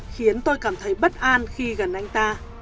khiến tôi cảm thấy bất an khi gần anh ta